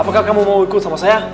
apakah kamu mau ikut sama saya